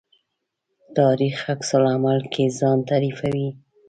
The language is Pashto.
تاریخ عکس العمل کې ځان تعریفوي.